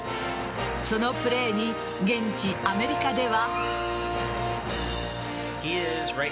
そのプレーに現地・アメリカでは。